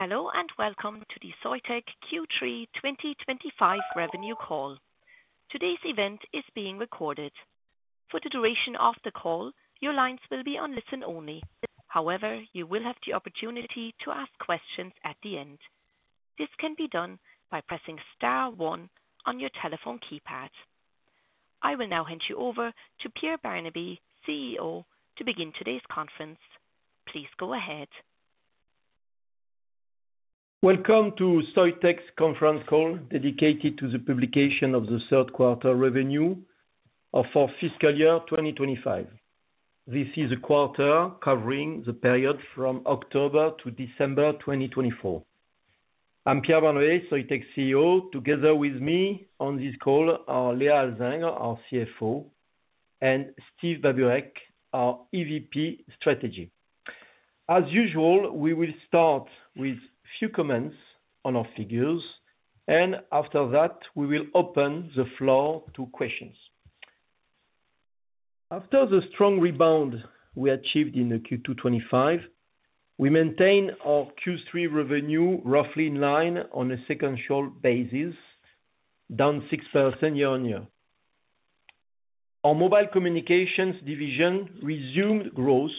Hello and welcome to the Soitec Q3 2025 revenue call. Today's event is being recorded. For the duration of the call, your lines will be on listen only. However, you will have the opportunity to ask questions at the end. This can be done by pressing star one on your telephone keypad. I will now hand you over to Pierre Barnabé, CEO, to begin today's conference. Please go ahead. Welcome to Soitec's conference call dedicated to the publication of the third quarter revenue for fiscal year 2025. This is a quarter covering the period from October to December 2024. I'm Pierre Barnabé, Soitec CEO. Together with me on this call are Léa Alzingre, our CFO, and Steve Babureck, our EVP Strategy. As usual, we will start with a few comments on our figures, and after that, we will open the floor to questions. After the strong rebound we achieved in Q2 2025, we maintained our Q3 revenue roughly in line on a sequential basis, down 6% year on year. Our Mobile Communications division resumed growth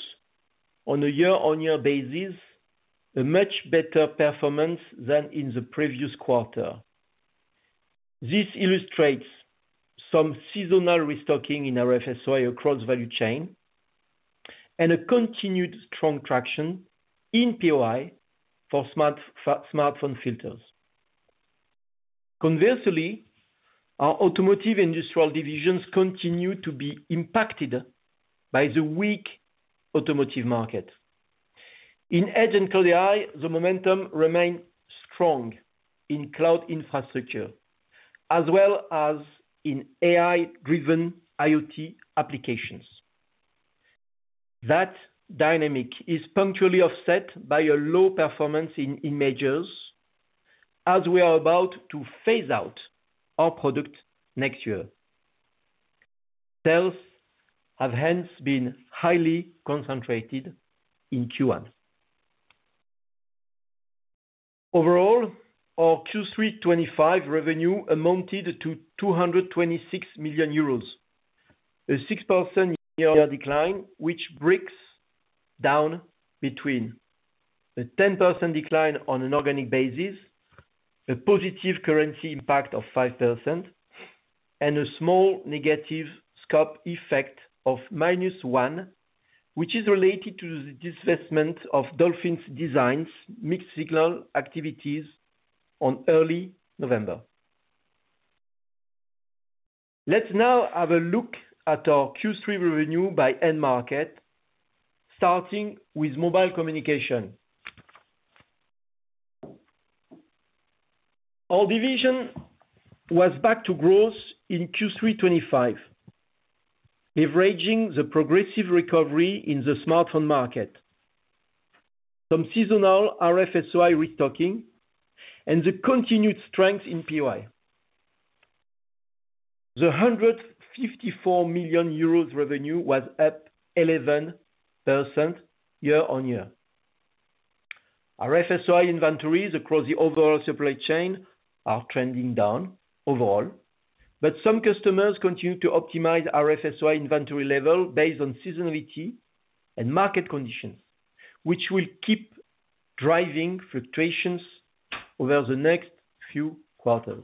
on a year-on-year basis, a much better performance than in the previous quarter. This illustrates some seasonal restocking in our RF-SOI across value chain and a continued strong traction in POI for smartphone filters. Conversely, our Automotive & Industrial divisions continue to be impacted by the weak automotive market. In Edge & Cloud AI, the momentum remained strong in cloud infrastructure, as well as in AI-driven IoT applications. That dynamic is punctually offset by a low performance in Imagers, as we are about to phase out our product next year. Sales have hence been highly concentrated in Q1. Overall, our Q3 2025 revenue amounted to €226 million, a 6% year-on-year decline, which breaks down between a 10% decline on an organic basis, a positive currency impact of 5%, and a small negative scope effect of minus one, which is related to the disposal of Dolphin Design's mixed signal activities in early November. Let's now have a look at our Q3 revenue by end market, starting with mobile communication. Our division was back to growth in Q3 2025, leveraging the progressive recovery in the smartphone market, some seasonal RF-SOI restocking, and the continued strength in POI. 154 million euros revenue was up 11% year on year. RF-SOI inventories across the overall supply chain are trending down overall, but some customers continue to optimize RF-SOI inventory level based on seasonality and market conditions, which will keep driving fluctuations over the next few quarters.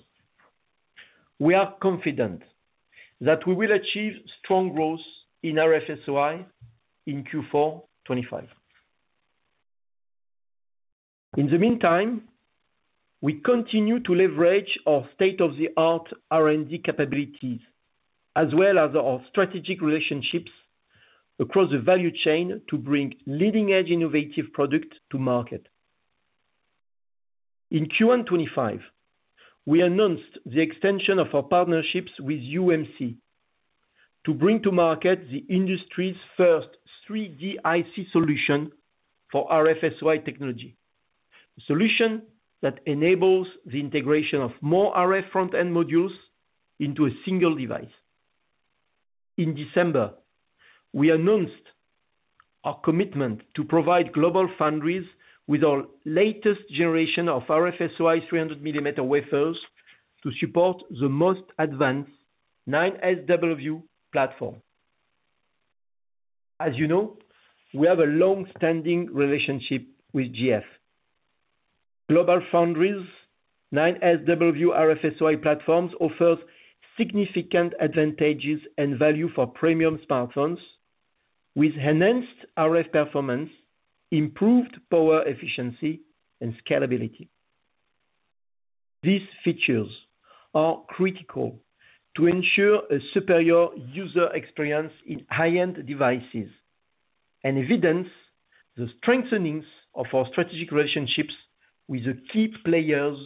We are confident that we will achieve strong growth in RF-SOI in Q4 2025. In the meantime, we continue to leverage our state-of-the-art R&D capabilities, as well as our strategic relationships across the value chain to bring leading-edge innovative products to market. In Q1 2025, we announced the extension of our partnerships with UMC to bring to market the industry's first 3D IC solution for RF-SOI technology, a solution that enables the integration of more RF front-end modules into a single device. In December, we announced our commitment to provide GlobalFoundries with our latest generation of RF-SOI 300mm wafers to support the most advanced 9SW platform. As you know, we have a long-standing relationship with GF. GlobalFoundries' 9SW RF-SOI platforms offer significant advantages and value for premium smartphones, with enhanced RF performance, improved power efficiency, and scalability. These features are critical to ensure a superior user experience in high-end devices and evidence the strengthening of our strategic relationships with the key players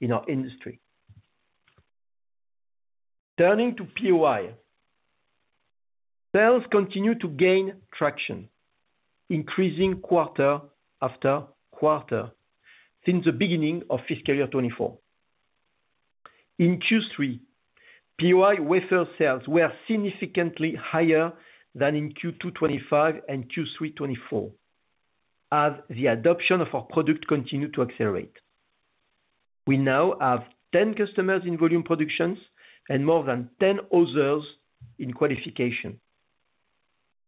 in our industry. Turning to POI, sales continue to gain traction, increasing quarter after quarter since the beginning of fiscal year 2024. In Q3, POI wafer sales were significantly higher than in Q2 2025 and Q3 2024, as the adoption of our product continued to accelerate. We now have 10 customers in volume productions and more than 10 others in qualification,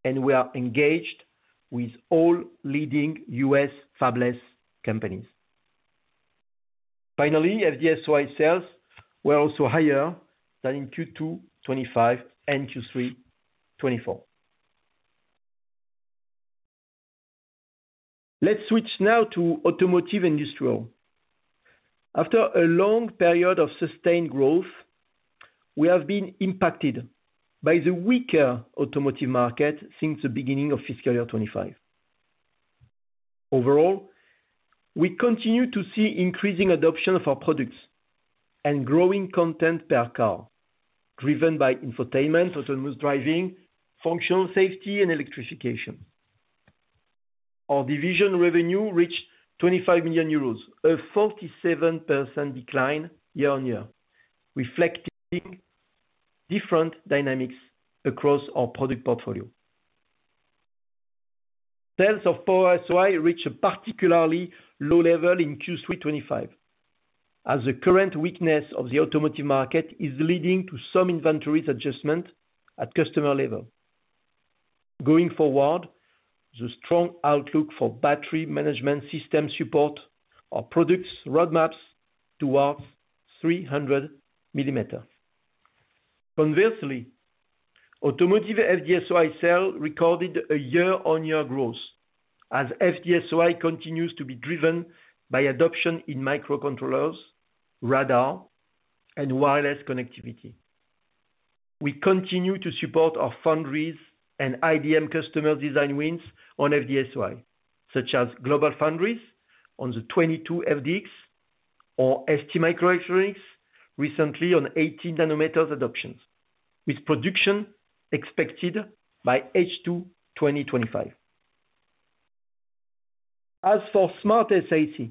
and we are engaged with all leading US fabless companies. Finally, Imager-SOI sales were also higher than in Q2 2025 and Q3 2024. Let's switch now to Automotive & Industrial. After a long period of sustained growth, we have been impacted by the weaker automotive market since the beginning of fiscal year 2025. Overall, we continue to see increasing adoption of our products and growing content per car, driven by infotainment, autonomous driving, functional safety, and electrification. Our division revenue reached 25 million euros, a 47% decline year-on-year, reflecting different dynamics across our product portfolio. Sales of Power-SOI reached a particularly low level in Q3 2025, as the current weakness of the automotive market is leading to some inventory adjustment at customer level. Going forward, the strong outlook for battery management system support our products' roadmaps towards 300mm. Conversely, automotive FD-SOI sales recorded a year-on-year growth, as FD-SOI continues to be driven by adoption in microcontrollers, radar, and wireless connectivity. We continue to support our foundries and IDM customer design wins on FD-SOI, such as GlobalFoundries on the 22FDX or STMicroelectronics, recently on 18nm adoptions, with production expected by H2 2025. As for SmartSiC,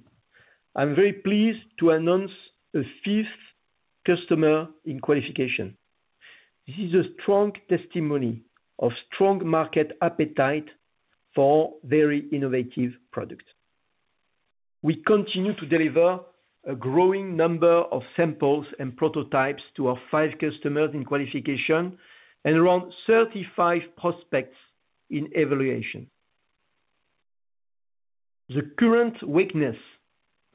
I'm very pleased to announce a fifth customer in qualification. This is a strong testimony of strong market appetite for very innovative products. We continue to deliver a growing number of samples and prototypes to our five customers in qualification and around 35 prospects in evaluation. The current weakness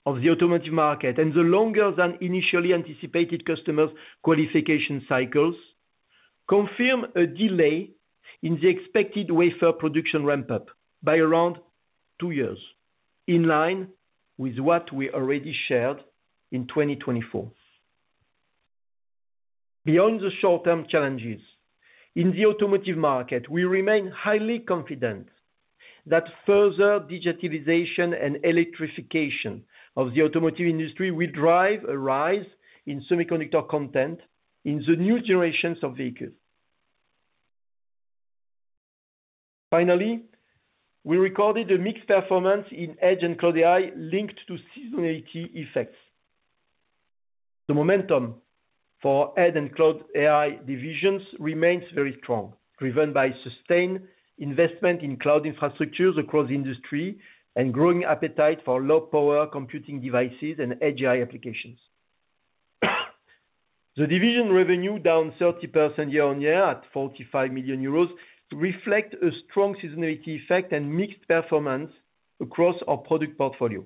of the automotive market and the longer-than-initially-anticipated customers' qualification cycles confirm a delay in the expected wafer production ramp-up by around two years, in line with what we already shared in 2024. Beyond the short-term challenges in the automotive market, we remain highly confident that further digitalization and electrification of the automotive industry will drive a rise in semiconductor content in the new generations of vehicles. Finally, we recorded a mixed performance in Edge & Cloud AI linked to seasonality effects. The momentum for Edge & Cloud AI divisions remains very strong, driven by sustained investment in cloud infrastructures across the industry and growing appetite for low-power computing devices and edge AI applications. The division revenue, down 30% year-on-year at 45 million euros, reflects a strong seasonality effect and mixed performance across our product portfolio.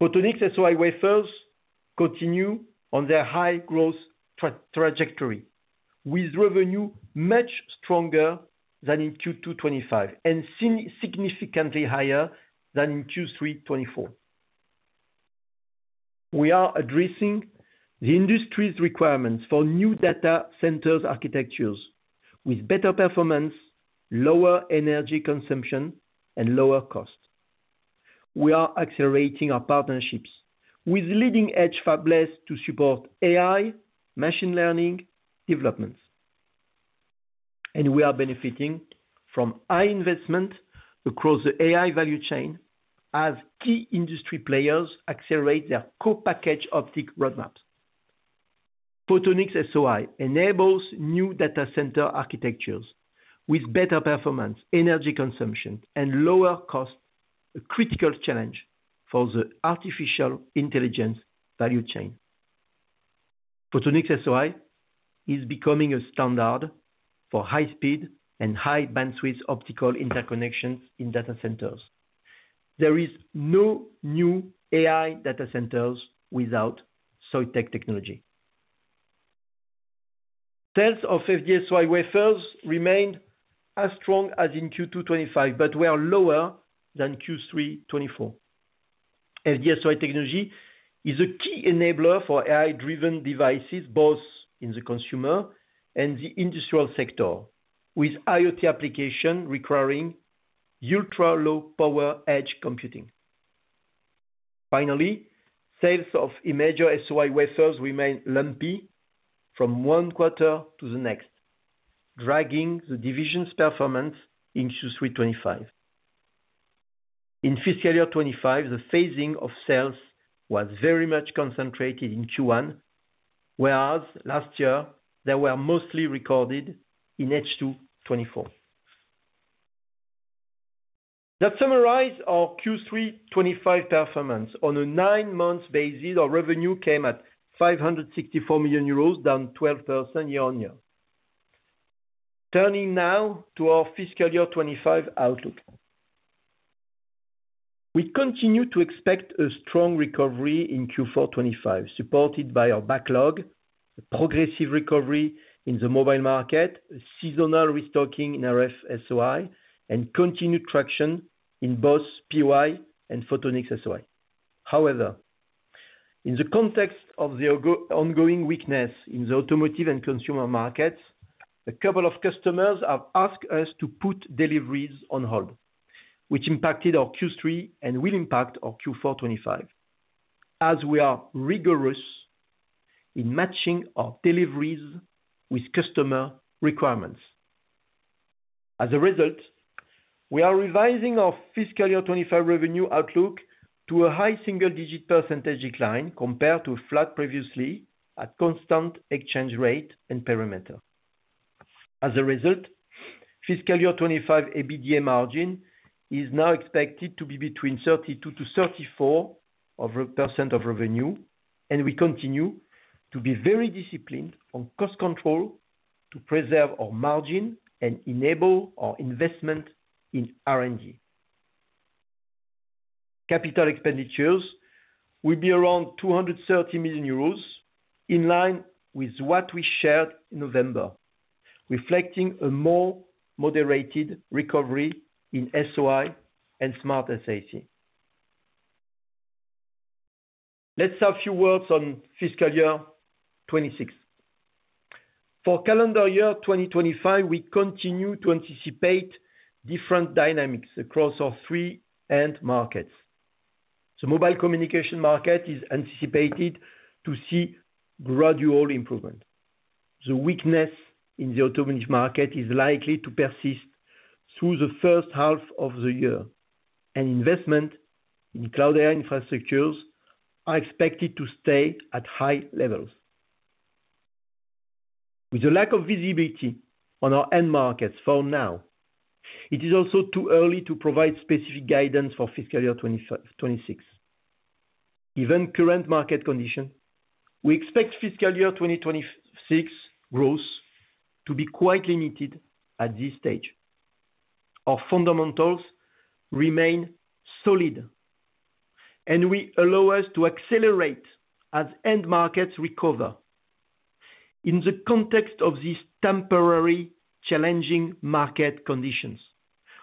Photonics-SOI wafers continue on their high-growth trajectory, with revenue much stronger than in Q2 2025 and significantly higher than in Q3 2024. We are addressing the industry's requirements for new data centers architectures with better performance, lower energy consumption, and lower cost. We are accelerating our partnerships with leading-edge fabless to support AI machine learning developments, and we are benefiting from high investment across the AI value chain as key industry players accelerate their co-packaged optics roadmaps. Photonics-SOI enables new data center architectures with better performance, energy consumption, and lower cost, a critical challenge for the artificial intelligence value chain. Photonics-SOI is becoming a standard for high-speed and high-bandwidth optical interconnections in data centers. There is no new AI data centers without Soitec technology. Sales of FD-SOI wafers remained as strong as in Q2 2025, but were lower than Q3 2024. FD-SOI technology is a key enabler for AI-driven devices, both in the consumer and the industrial sector, with IoT applications requiring ultra-low-power edge computing. Finally, sales of Imager-SOI wafers remain lumpy from one quarter to the next, dragging the division's performance in Q3 2025. In fiscal year 2025, the phasing of sales was very much concentrated in Q1, whereas last year they were mostly recorded in H2 2024. That summarizes our Q3 2025 performance. On a nine-month basis, our revenue came at 564 million euros, down 12% year-on-year. Turning now to our fiscal year 2025 outlook, we continue to expect a strong recovery in Q4 2025, supported by our backlog, a progressive recovery in the mobile market, a seasonal restocking in RF-SOI, and continued traction in both POI and Photonics-SOI. However, in the context of the ongoing weakness in the automotive and consumer markets, a couple of customers have asked us to put deliveries on hold, which impacted our Q3 and will impact our Q4 2025, as we are rigorous in matching our deliveries with customer requirements. As a result, we are revising our fiscal year 2025 revenue outlook to a high single-digit percentage decline compared to flat previously at constant exchange rate and perimeter. As a result, fiscal year 2025 EBITDA margin is now expected to be between 32%-34% of revenue, and we continue to be very disciplined on cost control to preserve our margin and enable our investment in R&D. Capital expenditures will be around 230 million euros in line with what we shared in November, reflecting a more moderated recovery in SOI and SmartSiC. Let's have a few words on fiscal year 2026. For calendar year 2025, we continue to anticipate different dynamics across our three end markets. The mobile communication market is anticipated to see gradual improvement. The weakness in the automotive market is likely to persist through the first half of the year, and investment in cloud AI infrastructures are expected to stay at high levels. With the lack of visibility on our end markets for now, it is also too early to provide specific guidance for fiscal year 2026. Given current market conditions, we expect fiscal year 2026 growth to be quite limited at this stage. Our fundamentals remain solid, and we allow us to accelerate as end markets recover. In the context of these temporary challenging market conditions,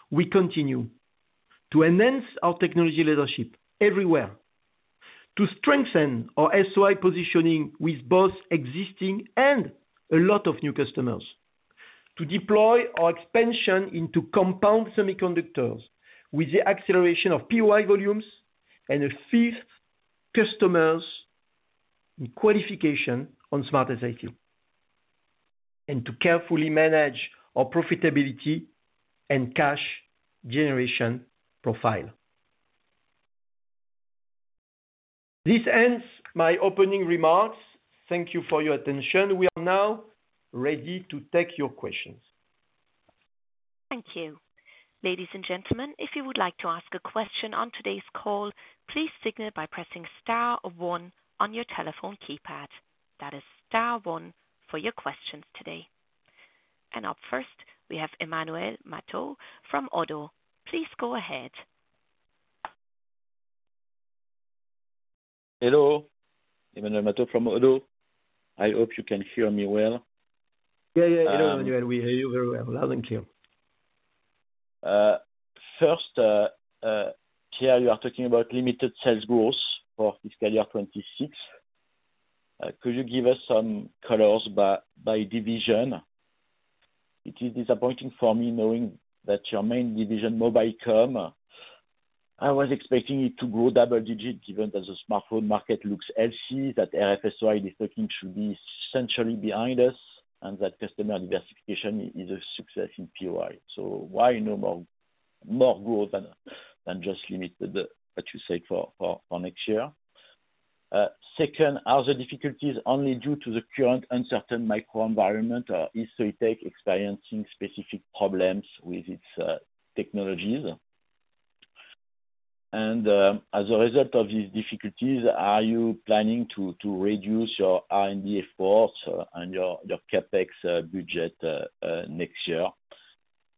we continue to enhance our technology leadership everywhere, to strengthen our SOI positioning with both existing and a lot of new customers, to deploy our expansion into compound semiconductors with the acceleration of POI volumes and a fifth customer's qualification on SmartSiC, and to carefully manage our profitability and cash generation profile. This ends my opening remarks. Thank you for your attention. We are now ready to take your questions. Thank you. Ladies and gentlemen, if you would like to ask a question on today's call, please signal by pressing star one on your telephone keypad. That is star one for your questions today. And up first, we have Emmanuel Matot from ODDO BHF. Please go ahead. Hello. Emmanuel Matot from ODDO BHF. I hope you can hear me well. Yeah, yeah. Hello, Emmanuel. We hear you very well. Loud and clear. First, Pierre, you are talking about limited sales growth for fiscal year 2026. Could you give us some colors by division? It is disappointing for me knowing that your main division, mobile com, I was expecting it to grow double-digit given that the smartphone market looks healthy, that RF-SOI, I think, should be essentially behind us, and that customer diversification is a success in POI. So why no more growth than just limited, what you said, for next year? Second, are the difficulties only due to the current uncertain macro environment, or is Soitec experiencing specific problems with its technologies? And as a result of these difficulties, are you planning to reduce your R&D efforts and your CapEx budget next year?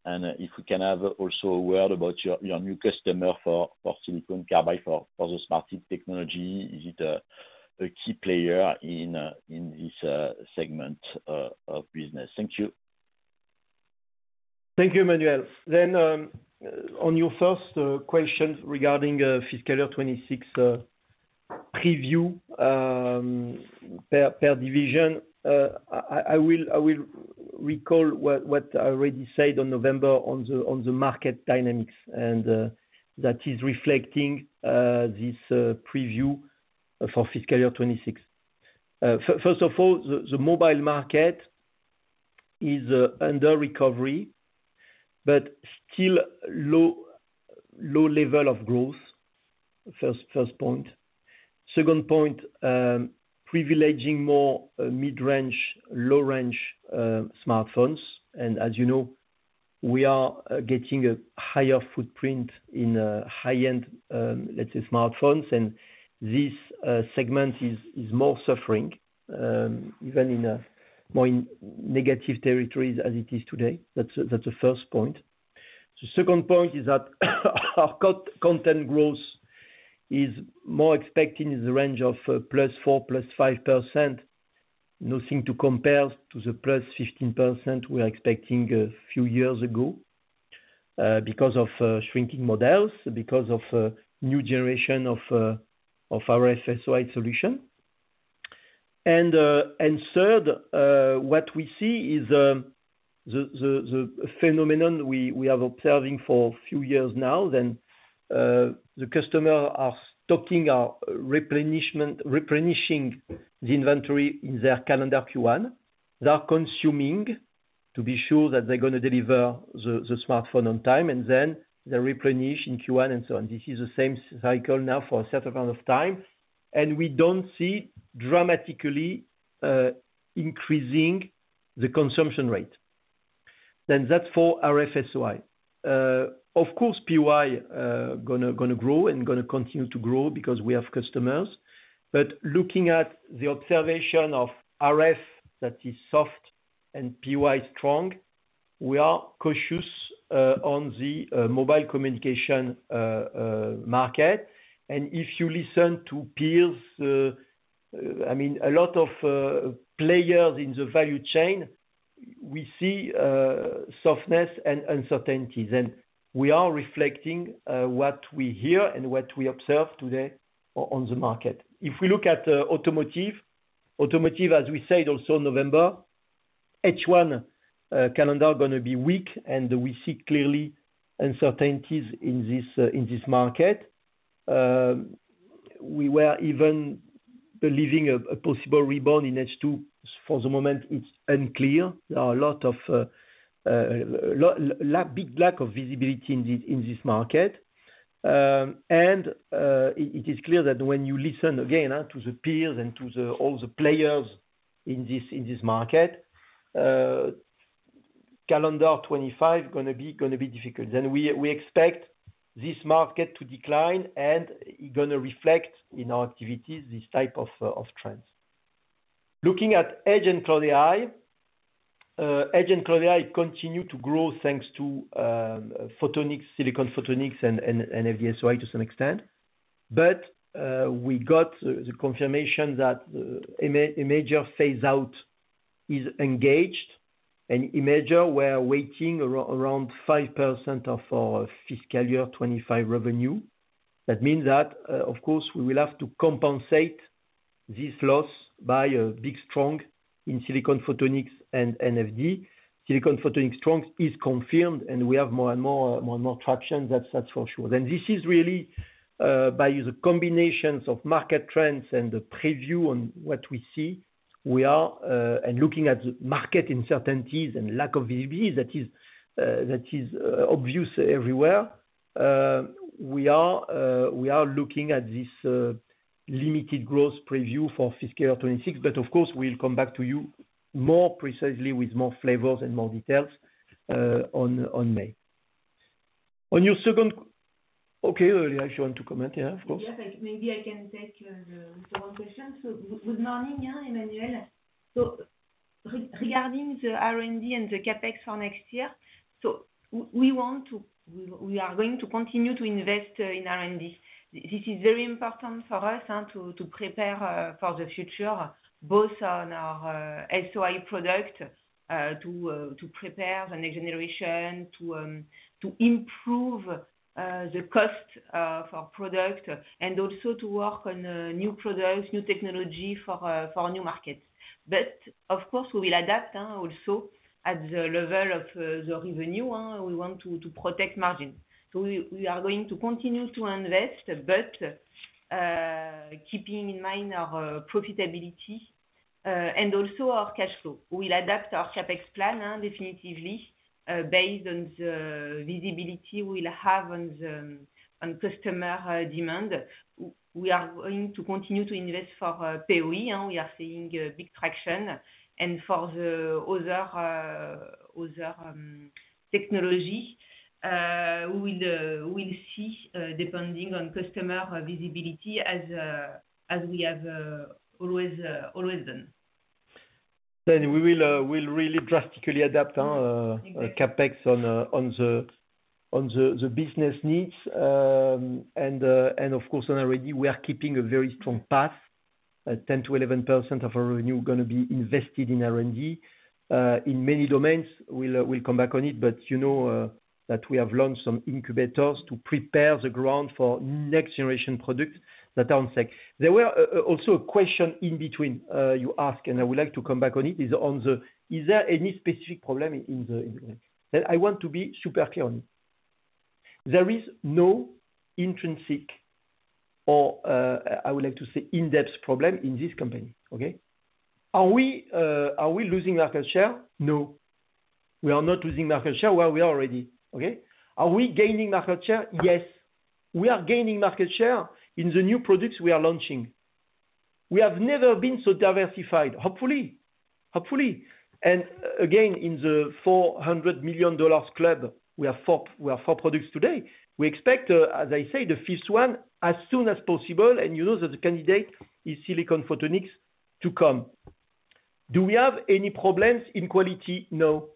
And if we can have also a word about your new customer for Silicon Carbide for the SmartSiC, is it a key player in this segment of business? Thank you. Thank you, Emmanuel. Then, on your first question regarding fiscal year 2026 preview per division, I will recall what I already said on November on the market dynamics, and that is reflecting this preview for fiscal year 2026. First of all, the mobile market is under recovery, but still low level of growth. First point. Second point, privileging more mid-range, low-range smartphones. And as you know, we are getting a higher footprint in high-end, let's say, smartphones, and this segment is more suffering, even in more negative territories as it is today. That's the first point. The second point is that our content growth is more expected in the range of 4%-5%. Nothing to compare to the 15% we were expecting a few years ago because of shrinking models, because of a new generation of RF-SOI solution. Third, what we see is the phenomenon we have observed for a few years now. Then the customers are stocking, replenishing the inventory in their calendar Q1. They are consuming to be sure that they're going to deliver the smartphone on time, and then they replenish in Q1 and so on. This is the same cycle now for a certain amount of time, and we don't see dramatically increasing the consumption rate. Then that's for RF-SOI. Of course, POI is going to grow and going to continue to grow because we have customers. But looking at the observation of RF, that is soft and POI strong, we are cautious on the mobile communication market. And if you listen to peers, I mean, a lot of players in the value chain, we see softness and uncertainties, and we are reflecting what we hear and what we observe today on the market. If we look at automotive, as we said also in November, H1 calendar is going to be weak, and we see clearly uncertainties in this market. We were even believing a possible rebound in H2. For the moment, it's unclear. There are a lot of big lack of visibility in this market. And it is clear that when you listen again to the peers and to all the players in this market, calendar 2025 is going to be difficult. And we expect this market to decline, and it's going to reflect in our activities this type of trends. Looking at Edge AI and Cloud AI, Edge AI and Cloud AI continue to grow thanks to Silicon Photonics and FD-SOI to some extent. But we got the confirmation that Imager phase-out is engaged, and Imager, it weighs around 5% of our fiscal year 2025 revenue. That means that, of course, we will have to compensate this loss by a big growth in Silicon Photonics and FD-SOI. Silicon Photonics strong growth is confirmed, and we have more and more traction, that's for sure. This is really by the combination of market trends and the prospect on what we see. We are looking at market uncertainties and lack of visibility that is obvious everywhere. We are looking at this limited growth prospect for fiscal year 2026, but of course, we'll come back to you more precisely with more flavor and more details on May. On your second, okay, I actually want to comment, yeah, of course. Yes, maybe I can take the second question. Good morning, Emmanuel. Regarding the R&D and the CapEx for next year, we are going to continue to invest in R&D. This is very important for us to prepare for the future, both on our SOI product to prepare the next generation, to improve the cost for product, and also to work on new products, new technology for new markets. Of course, we will adapt also at the level of the revenue. We want to protect margins. We are going to continue to invest, but keeping in mind our profitability and also our cash flow. We'll adapt our CapEx plan definitely based on the visibility we'll have on customer demand. We are going to continue to invest for POI. We are seeing big traction. And for the other technology, we'll see depending on customer visibility as we have always done. Then we will really drastically adapt CapEx on the business needs. And of course, on R&D, we are keeping a very strong path. 10%-11% of our revenue is going to be invested in R&D in many domains. We'll come back on it, but you know that we have launched some incubators to prepare the ground for next-generation products that are on sale. There was also a question in between you asked, and I would like to come back on it, is on the. Is there any specific problem in the? I want to be super clear on it. There is no intrinsic or, I would like to say, in-depth problem in this company, okay? Are we losing market share? No. We are not losing market share. Well, we are already, okay? Are we gaining market share? Yes. We are gaining market share in the new products we are launching. We have never been so diversified. Hopefully. Hopefully. And again, in the $400 million club, we have four products today. We expect, as I say, the fifth one as soon as possible. And you know that the candidate is Silicon Photonics to come. Do we have any problems in quality? No.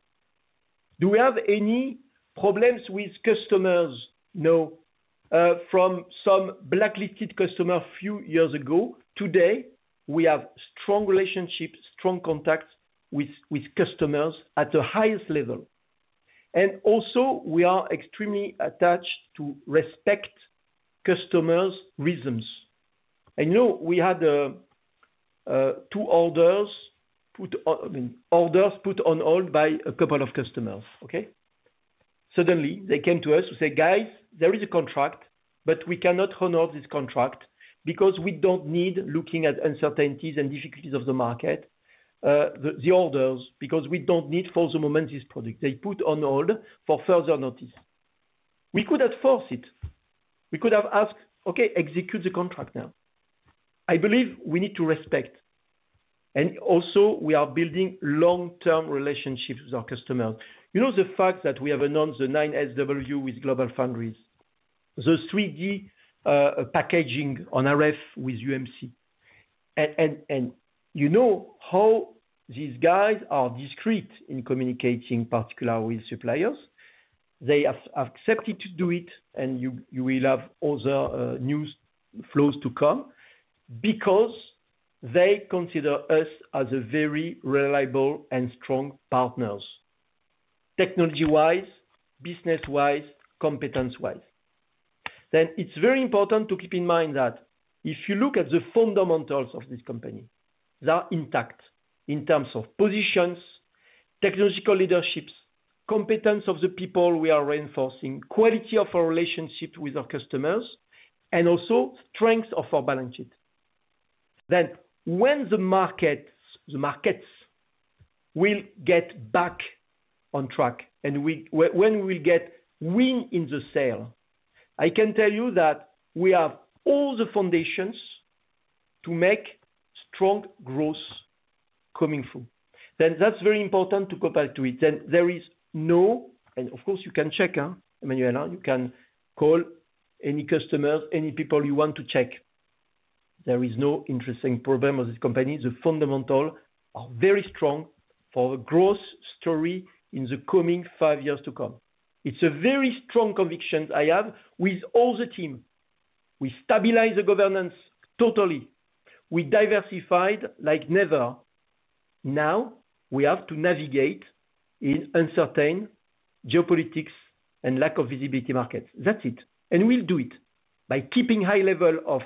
Do we have any problems with customers? No. From some blacklisted customers a few years ago, today, we have strong relationships, strong contacts with customers at the highest level. And also, we are extremely attached to respect customers' reasons. And you know we had two orders put on hold by a couple of customers, okay? Suddenly, they came to us to say, "Guys, there is a contract, but we cannot honor this contract because we don't need looking at uncertainties and difficulties of the market, the orders, because we don't need for the moment this product." They put on hold for further notice. We could have forced it. We could have asked, "Okay, execute the contract now." I believe we need to respect. And also, we are building long-term relationships with our customers. You know the fact that we have announced the 9SW with GlobalFoundries, the 3D packaging on RF with UMC. And you know how these guys are discreet in communicating particularly with suppliers. They have accepted to do it, and you will have other news flows to come because they consider us as very reliable and strong partners, technology-wise, business-wise, competence-wise. It's very important to keep in mind that if you look at the fundamentals of this company, they are intact in terms of positions, technological leaderships, competence of the people we are reinforcing, quality of our relationships with our customers, and also strength of our balance sheet. When the markets will get back on track and when we will get win in the sale, I can tell you that we have all the foundations to make strong growth coming through. That's very important to compare to it. There is no, and of course, you can check, Emmanuel. You can call any customers, any people you want to check. There is no interesting problem with this company. The fundamentals are very strong for the growth story in the coming five years to come. It's a very strong conviction I have with all the team. We stabilized the governance totally. We diversified like never. Now we have to navigate in uncertain geopolitics and lack of visibility markets. That's it, and we'll do it by keeping high level of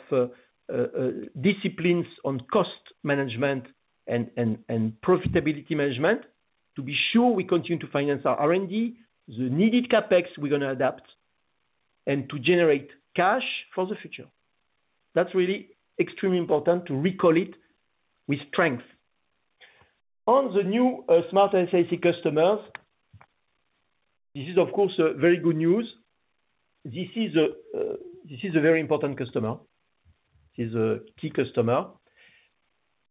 disciplines on cost management and profitability management to be sure we continue to finance our R&D, the needed CapEx we're going to adapt, and to generate cash for the future. That's really extremely important to recall it with strength. On the new SmartSiC customers, this is, of course, very good news. This is a very important customer. This is a key customer.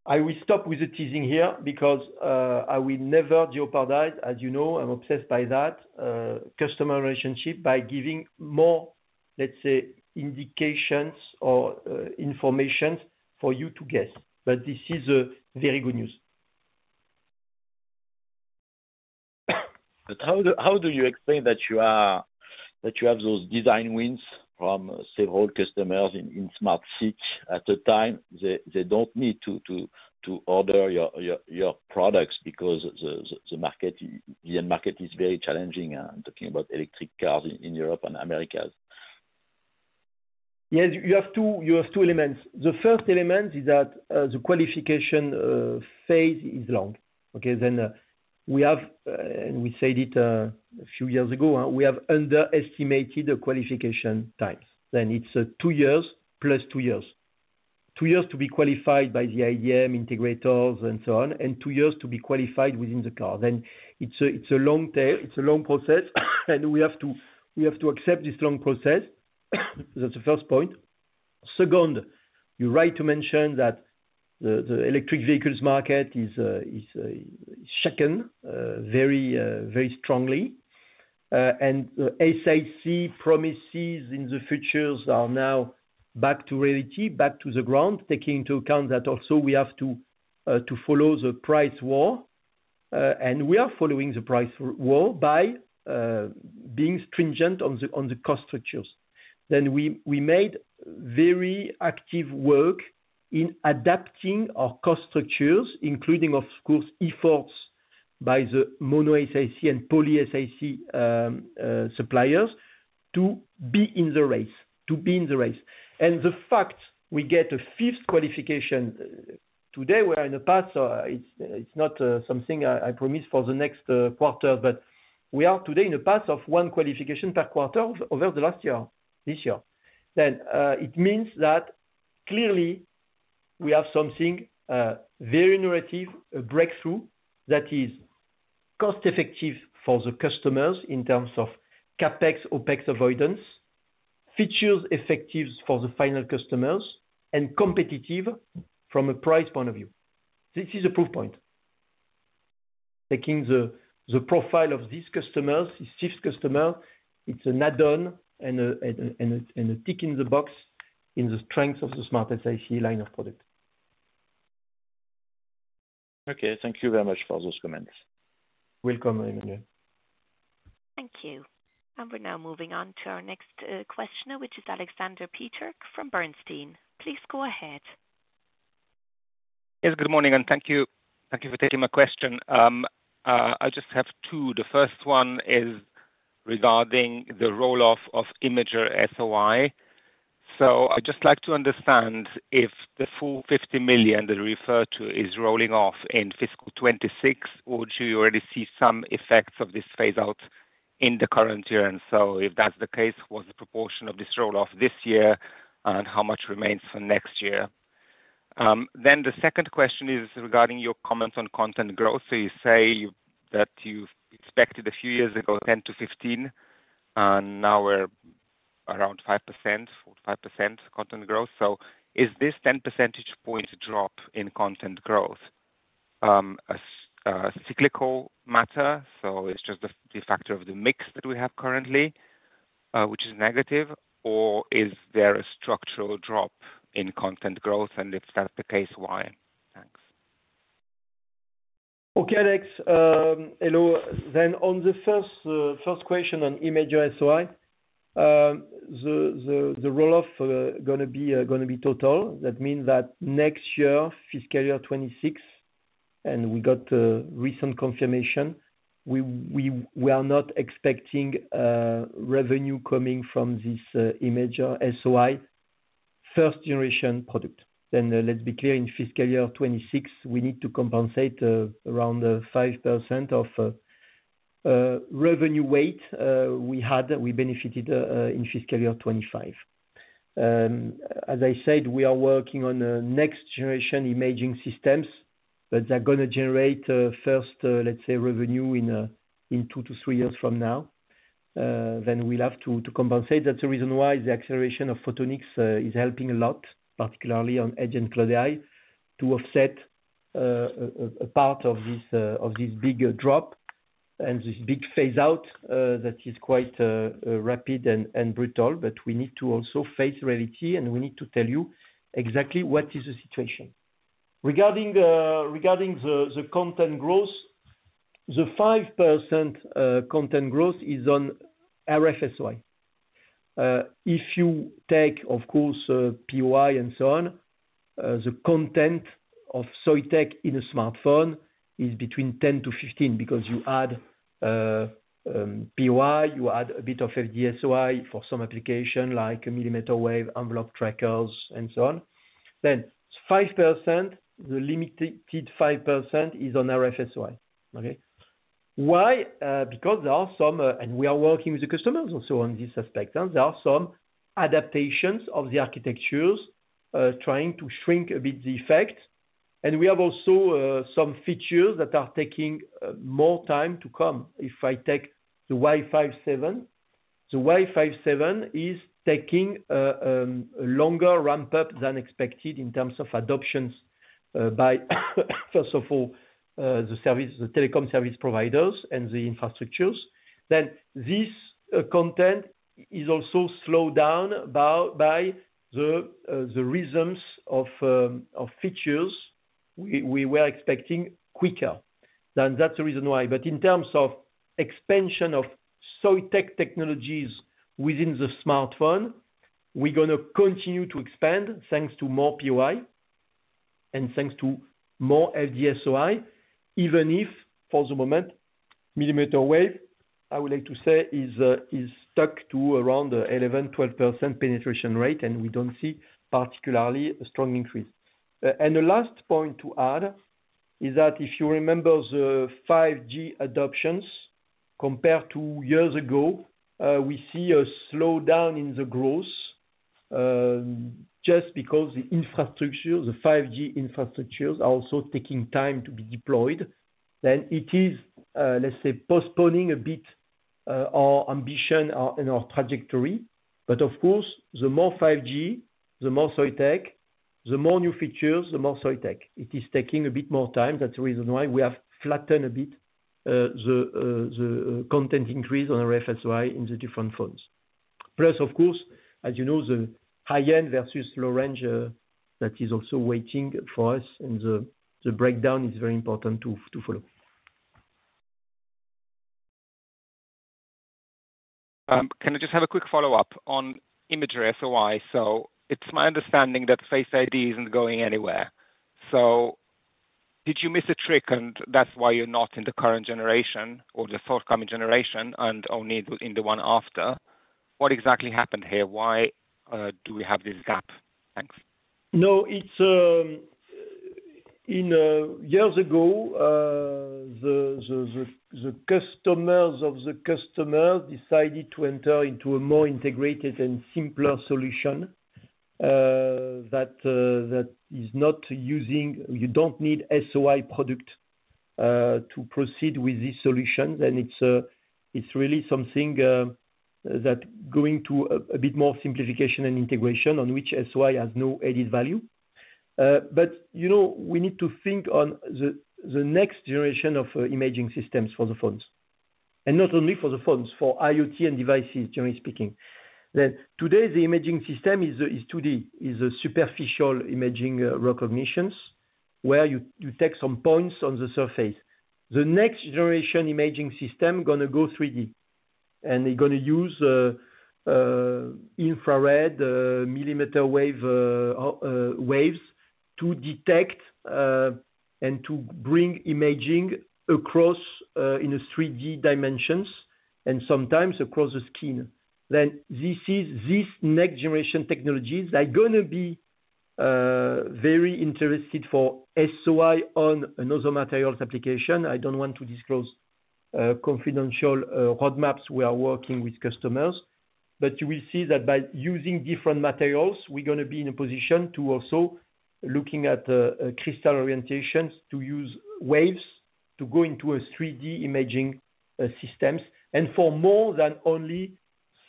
I will stop with the teasing here because I will never jeopardize, as you know, I'm obsessed by that customer relationship by giving more, let's say, indications or information for you to guess, but this is very good news. How do you explain that you have those design wins from several customers in SmartSiC at the time? They don't need to order your products because the market is very challenging. I'm talking about electric cars in Europe and America. Yes, you have two elements. The first element is that the qualification phase is long. Okay, then we have, and we said it a few years ago, we have underestimated the qualification times. Then it's two years plus two years. Two years to be qualified by the IDM integrators and so on, and two years to be qualified within the car. Then it's a long process, and we have to accept this long process. That's the first point. Second, you're right to mention that the electric vehicles market is shaken very strongly. And the SiC promises in the future are now back to reality, back to the ground, taking into account that also we have to follow the price war. And we are following the price war by being stringent on the cost structures. Then we made very active work in adapting our cost structures, including, of course, efforts by the mono SiC and poly SiC suppliers to be in the race, to be in the race. And the fact we get a fifth qualification today, where in the past, it's not something I promise for the next quarter, but we are today in the pace of one qualification per quarter over the last year, this year. Then it means that clearly we have something very innovative, a breakthrough that is cost-effective for the customers in terms of CapEx, OPEX avoidance, features effective for the final customers, and competitive from a price point of view. This is a proof point. Taking the profile of these customers, this fifth customer, it's an add-on and a tick in the box in the strength of the SmartSiC line of product. Okay, thank you very much for those comments. Welcome, Emmanuel. Thank you. And we're now moving on to our next questioner, which is Alexander Peterc from Bernstein. Please go ahead. Yes, good morning, and thank you for taking my question. I just have two. The first one is regarding the roll-off of Imager-SOI. I'd just like to understand if the full 50 million that you referred to is rolling off in fiscal 2026, or do you already see some effects of this phase-out in the current year? And so if that's the case, what's the proportion of this roll-off this year, and how much remains for next year? Then the second question is regarding your comments on content growth. You say that you expected a few years ago 10 to 15, and now we're around 5 to 45% content growth. Is this 10 percentage point drop in content growth a cyclical matter? So it's just the factor of the mix that we have currently, which is negative, or is there a structural drop in content growth? And if that's the case, why? Thanks. Okay, Alex. Hello. Then on the first question on Imager-SOI, the roll-off is going to be total. That means that next year, fiscal year 2026, and we got recent confirmation, we are not expecting revenue coming from this Imager-SOI first-generation product. Then let's be clear, in fiscal year 2026, we need to compensate around 5% of revenue weight we had. We benefited in fiscal year 2025. As I said, we are working on next-generation imaging systems, but they're going to generate first, let's say, revenue in two to three years from now. Then we'll have to compensate. That's the reason why the acceleration of Photonics is helping a lot, particularly Edge & Cloud AI, to offset a part of this big drop and this big phase-out that is quite rapid and brutal. But we need to also face reality, and we need to tell you exactly what is the situation. Regarding the content growth, the 5% content growth is on RF-SOI. If you take, of course, POI and so on, the content of Soitec in a smartphone is between 10 to 15 because you add POI, you add a bit of FD-SOI for some applications like millimeter wave, envelope trackers, and so on. The limited 5% is on RF-SOI. Okay? Why? Because there are some, and we are working with the customers also on this aspect. There are some adaptations of the architectures trying to shrink a bit the effect. We have also some features that are taking more time to come. If I take the Wi-Fi 7, the Wi-Fi 7 is taking a longer ramp-up than expected in terms of adoptions by, first of all, the telecom service providers and the infrastructures. This content is also slowed down by the reasons of features we were expecting quicker. That's the reason why. In terms of expansion of Soitec technologies within the smartphone, we're going to continue to expand thanks to more POI and thanks to more FD-SOI, even if for the moment, millimeter wave, I would like to say, is stuck to around 11%-12% penetration rate, and we don't see particularly a strong increase. The last point to add is that if you remember the 5G adoptions compared to years ago, we see a slowdown in the growth just because the infrastructures, the 5G infrastructures are also taking time to be deployed. It is, let's say, postponing a bit our ambition and our trajectory. Of course, the more 5G, the more Soitec, the more new features, the more Soitec. It is taking a bit more time. That's the reason why we have flattened a bit the content increase on RF-SOI in the different phones. Plus, of course, as you know, the high-end versus low-range, that is also waiting for us, and the breakdown is very important to follow. Can I just have a quick follow-up on Imager-SOI? So it's my understanding that Face ID isn't going anywhere. So did you miss a trick, and that's why you're not in the current generation or the forthcoming generation and only in the one after? What exactly happened here? Why do we have this gap? Thanks. No, years ago, the customers of the customers decided to enter into a more integrated and simpler solution that is not using SOI. You don't need SOI product to proceed with these solutions. And it's really something that's going to a bit more simplification and integration on which SOI has no added value. But we need to think on the next generation of imaging systems for the phones. Not only for the phones, for IoT and devices, generally speaking. Today, the imaging system is 2D, superficial imaging recognitions where you take some points on the surface. The next generation imaging system is going to go 3D, and they're going to use infrared millimeter waves to detect and to bring imaging across in 3D dimensions and sometimes across the skin. This next generation technologies are going to be very interested for SOI on another materials application. I don't want to disclose confidential roadmaps we are working with customers, but you will see that by using different materials, we're going to be in a position to also look at crystal orientations to use waves to go into 3D imaging systems and for more than only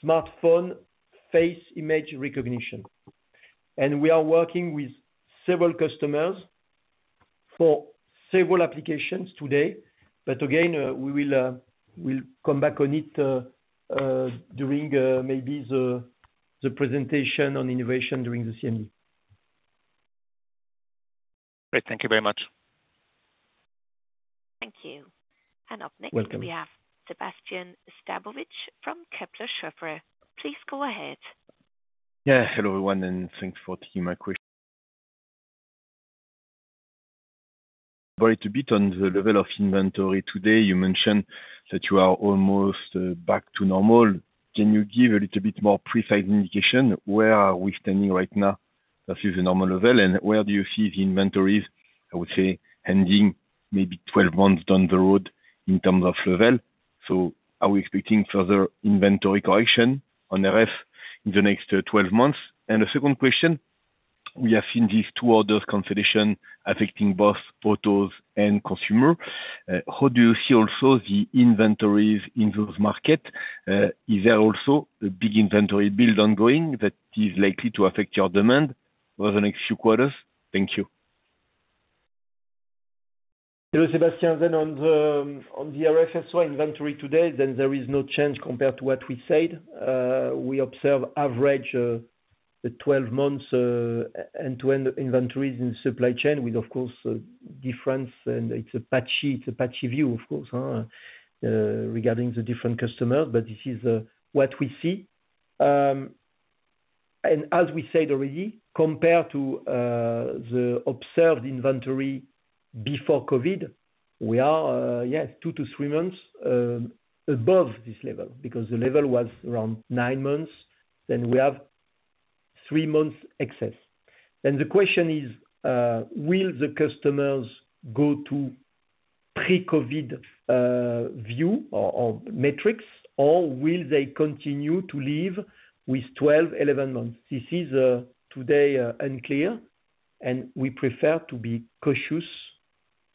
smartphone face image recognition, and we are working with several customers for several applications today. But again, we will come back on it during maybe the presentation on innovation during the CMD. Great. Thank you very much. Thank you. And up next, we have Sébastien Sztabowicz from Kepler Cheuvreux. Please go ahead. Yeah. Hello, everyone, and thanks for taking my question. Sorry to be on the level of inventory today. You mentioned that you are almost back to normal. Can you give a little bit more precise indication? Where are we standing right now? That is the normal level. And where do you see the inventories? I would say ending maybe 12 months down the road in terms of level. So are we expecting further inventory correction on RF in the next 12 months? And the second question, we have seen these two orders' consolidation affecting both autos and consumers. How do you see also the inventories in those markets? Is there also a big inventory build ongoing that is likely to affect your demand over the next few quarters? Thank you. Hello, Sébastien. Then on the RF-SOI inventory today, there is no change compared to what we said. We observe average 12 months end-to-end inventories in the supply chain with, of course, difference, and it's a patchy view, of course, regarding the different customers. But this is what we see. And as we said already, compared to the observed inventory before COVID, we are, yes, two to three months above this level because the level was around nine months. Then we have three months excess. Then the question is, will the customers go to pre-COVID view or metrics, or will they continue to live with 12-11 months? This is today unclear, and we prefer to be cautious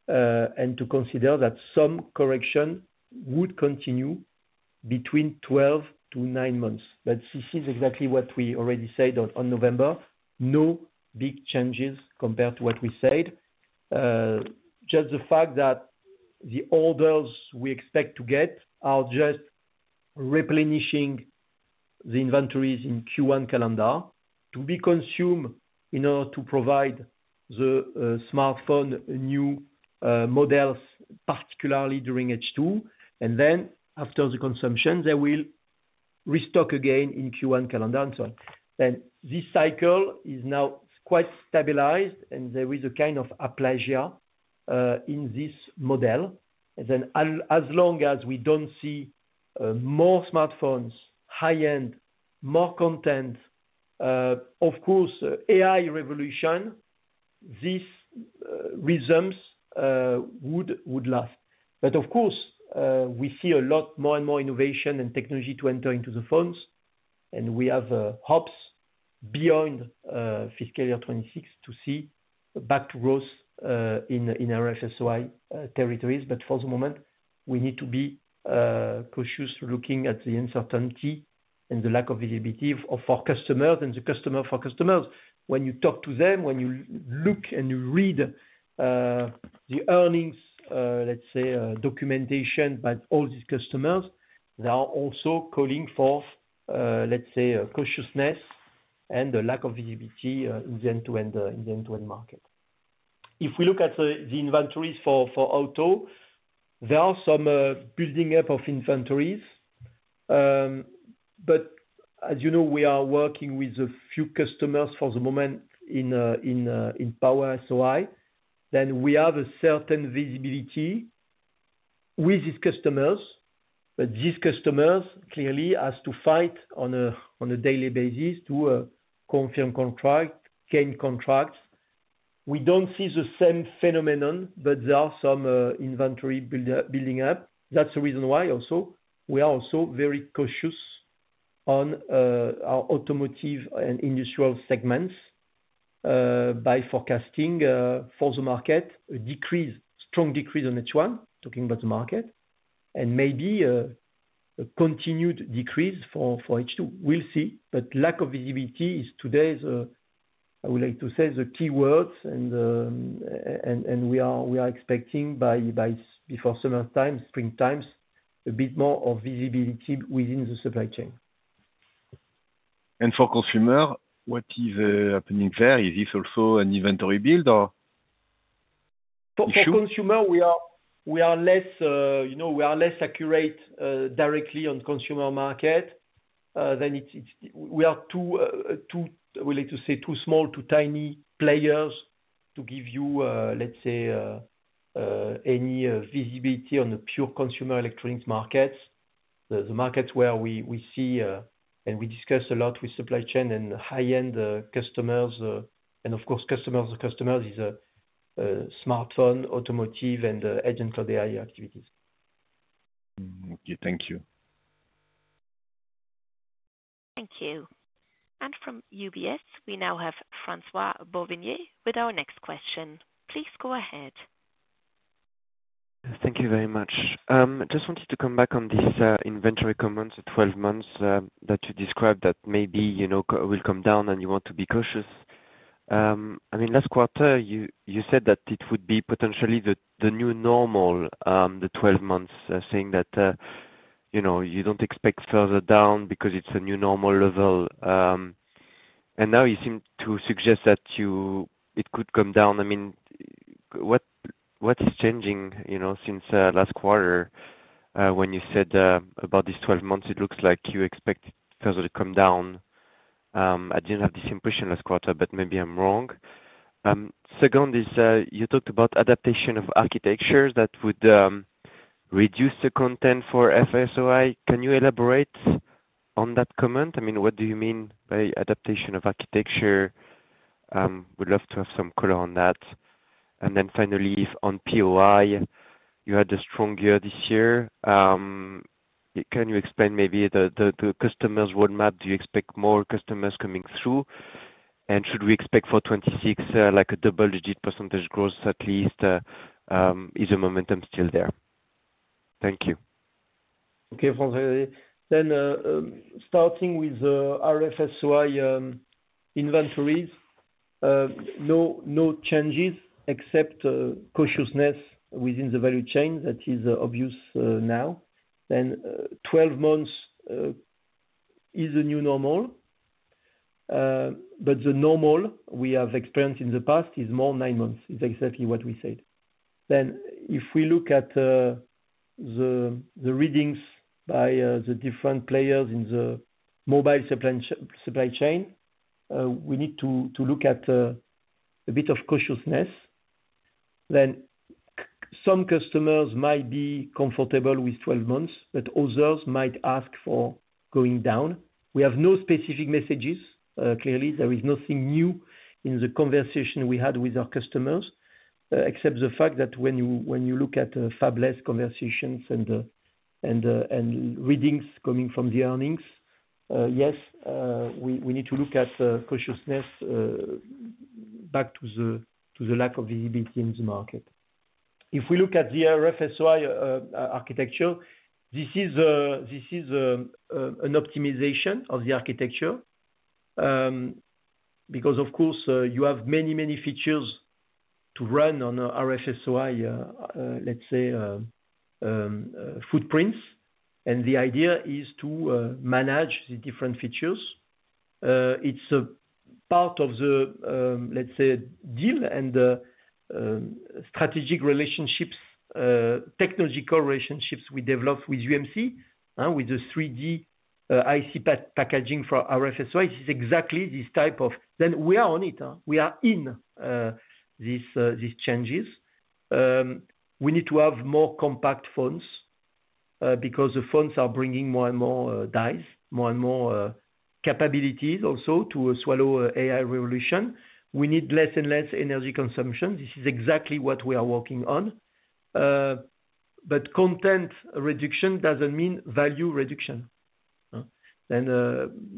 and to consider that some correction would continue between nine to 12 months, but this is exactly what we already said on November. No big changes compared to what we said. Just the fact that the orders we expect to get are just replenishing the inventories in Q1 calendar to be consumed in order to provide the smartphone new models, particularly during H2, and then after the consumption, they will restock again in Q1 calendar and so on, then this cycle is now quite stabilized, and there is a kind of plateau in this model, and then as long as we don't see more smartphones, high-end, more content, of course, AI revolution, this remains would last, but of course, we see a lot more and more innovation and technology to enter into the phones. We have hopes beyond fiscal year 2026 to see back to growth in RF-SOI territories. But for the moment, we need to be cautious looking at the uncertainty and the lack of visibility for customers and the customers for customers. When you talk to them, when you look and you read the earnings, let's say, documentation by all these customers, they are also calling for, let's say, cautiousness and the lack of visibility in the end-to-end market. If we look at the inventories for auto, there are some building up of inventories. But as you know, we are working with a few customers for the moment in Power-SOI. Then we have a certain visibility with these customers. But these customers clearly have to fight on a daily basis to confirm contract, gain contracts. We don't see the same phenomenon, but there are some inventory building up. That's the reason why also we are also very cautious on our automotive and industrial segments by forecasting for the market, a decrease, strong decrease on H1, talking about the market, and maybe a continued decrease for H2. We'll see, but lack of visibility is today's, I would like to say, the key words, and we are expecting by before summertime, springtime, a bit more visibility within the supply chain, and for consumers, what is happening there? Is this also an inventory build or for sure? For consumers, we are less accurate directly on consumer market. Then we are too, I would like to say, too small, too tiny players to give you, let's say, any visibility on the pure consumer electronics markets, the markets where we see, and we discuss a lot with supply chain and high-end customers. Of course, customers of customers is smartphone, automotive, and edge and cloud activities. Okay. Thank you. Thank you. And from UBS, we now have François-Xavier Bouvignies with our next question. Please go ahead. Thank you very much. Just wanted to come back on this inventory comment, the 12 months that you described that maybe will come down and you want to be cautious. I mean, last quarter, you said that it would be potentially the new normal, the 12 months, saying that you don't expect further down because it's a new normal level. And now you seem to suggest that it could come down. I mean, what is changing since last quarter when you said about these 12 months? It looks like you expect it further to come down. I didn't have this impression last quarter, but maybe I'm wrong. Second is you talked about adaptation of architectures that would reduce the content for FD-SOI. Can you elaborate on that comment? I mean, what do you mean by adaptation of architecture? We'd love to have some color on that. And then finally, on POI, you had a strong year this year. Can you explain maybe the customers' roadmap? Do you expect more customers coming through? And should we expect for 2026 a double-digit percentage growth at least? Is the momentum still there? Thank you. Okay, François. Starting with RF-SOI inventories, no changes except cautiousness within the value chain that is obvious now. 12 months is a new normal. But the normal we have experienced in the past is more nine months. It's exactly what we said. Then if we look at the readings by the different players in the mobile supply chain, we need to look at a bit of cautiousness. Some customers might be comfortable with 12 months, but others might ask for going down. We have no specific messages. Clearly, there is nothing new in the conversation we had with our customers, except the fact that when you look at fabless conversations and readings coming from the earnings, yes, we need to look at cautiousness back to the lack of visibility in the market. If we look at the RF-SOI architecture, this is an optimization of the architecture because, of course, you have many, many features to run on RF-SOI, let's say, footprints. And the idea is to manage the different features. It's part of the, let's say, deal and strategic relationships, technological relationships we develop with UMC, with the 3D IC packaging for RF-SOI. This is exactly this type of. Then we are on it. We are in these changes. We need to have more compact phones because the phones are bringing more and more dies, more and more capabilities also to swallow AI revolution. We need less and less energy consumption. This is exactly what we are working on. But content reduction doesn't mean value reduction. Then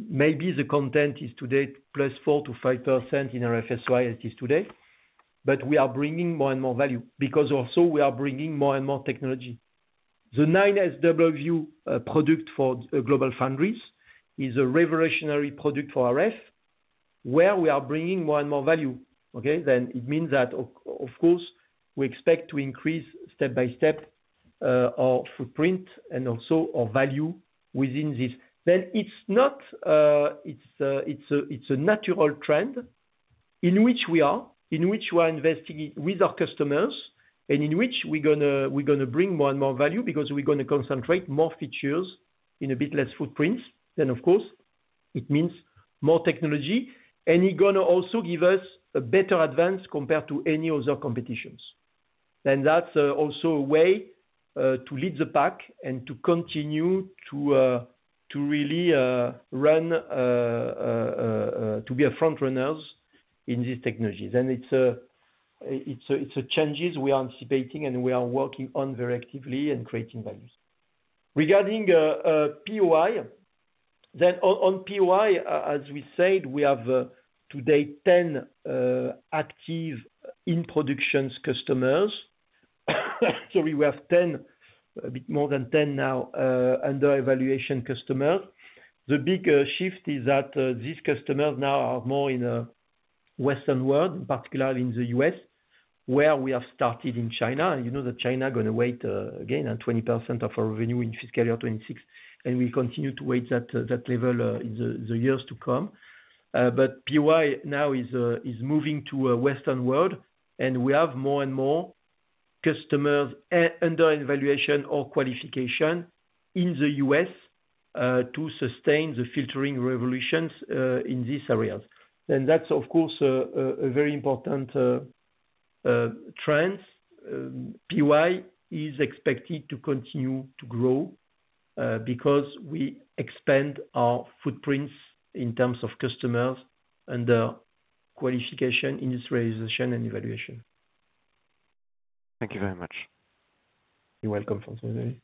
maybe the content is today plus 4%-5% in RF-SOI as it is today. But we are bringing more and more value because also we are bringing more and more technology. The 9SW product for GlobalFoundries is a revolutionary product for RF where we are bringing more and more value. Okay? Then it means that, of course, we expect to increase step by step our footprint and also our value within this. Then it's a natural trend in which we are investing with our customers and in which we're going to bring more and more value because we're going to concentrate more features in a bit less footprints. Then, of course, it means more technology. And it's going to also give us a better advance compared to any other competitors. Then that's also a way to lead the pack and to continue to really run, to be a front-runner in these technologies. And it's the changes we are anticipating and we are working on very actively and creating value. Regarding POI, as we said, we have today 10 active in-production customers. Sorry, we have 10, a bit more than 10 now, under evaluation customers. The big shift is that these customers now are more in the Western world, particularly in the U.S., where we have started in China. You know that China is going to weigh again on 20% of our revenue in fiscal year 2026, and we continue to weigh at that level in the years to come. But POI now is moving to a Western world, and we have more and more customers under evaluation or qualification in the U.S. to sustain the filtering revolutions in these areas. And that's, of course, a very important trend. POI is expected to continue to grow because we expand our footprints in terms of customers under qualification, industrialization, and evaluation. Thank you very much. You're welcome, François.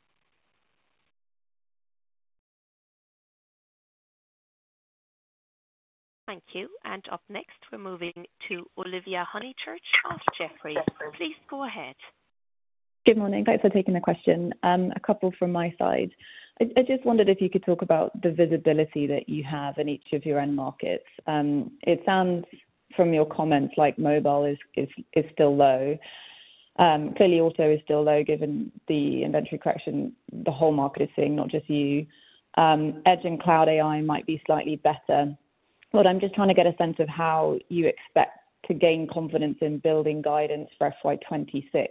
Thank you. And up next, we're moving to Olivia Honychurch of Jefferies. Please go ahead. Good morning. Thanks for taking the question. A couple from my side. I just wondered if you could talk about the visibility that you have in each of your end markets. It sounds from your comments like mobile is still low. Clearly, auto is still low given the inventory correction the whole market is seeing, not just you. Edge & Cloud AI might be slightly better. But I'm just trying to get a sense of how you expect to gain confidence in building guidance for FY26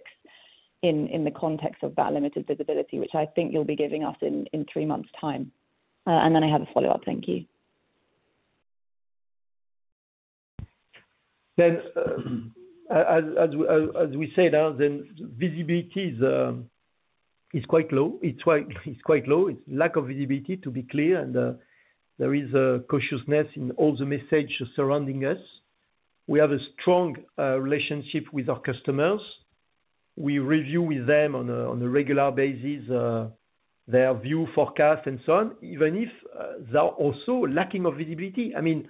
in the context of that limited visibility, which I think you'll be giving us in three months' time. And then I have a follow-up. Thank you. Then, as we said, then visibility is quite low. It's quite low. It's lack of visibility, to be clear. And there is a cautiousness in all the messages surrounding us. We have a strong relationship with our customers. We review with them on a regular basis their view forecast and so on, even if they're also lacking of visibility. I mean,